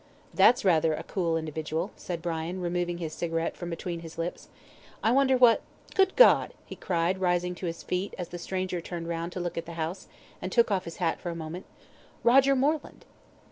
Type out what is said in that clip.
"That's rather a cool individual," said Brian, removing his cigarette from between his lips. "I wonder what Good God!" he cried, rising to his feet as the stranger turned round to look at the house, and took off his hat for a moment "Roger Moreland."